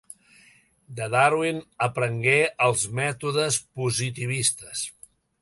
De Darwin aprengué els mètodes positivistes.